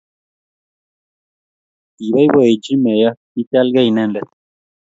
kiboiboichi Meya kichalgei inendet.